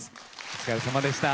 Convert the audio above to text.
お疲れさまでした。